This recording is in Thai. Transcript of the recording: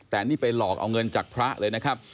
แต่นี่ไปหลอกเอาเงินจากพระเลยนะครับ